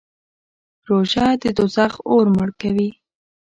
روژه د دوزخ اور مړ کوي.